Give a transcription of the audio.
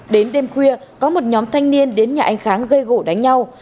đến đêm khuya có một nhóm thanh niên đến nhà anh kháng gây gỗ đánh nhau